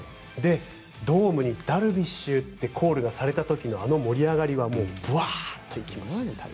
ドームにダルビッシュってコールがされた時のあの盛り上がりはぶわーっと行きました。